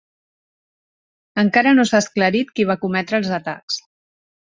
Encara no s'ha esclarit qui va cometre els atacs.